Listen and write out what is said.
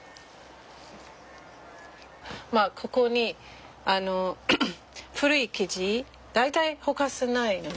まあここに古い生地大体ほかせないのね。